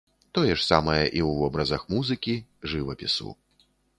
Тое ж самае і ў вобразах музыкі, жывапісу.